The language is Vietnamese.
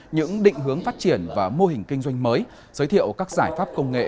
những định hướng phát triển và mô hình kinh doanh mới giới thiệu các giải pháp công nghệ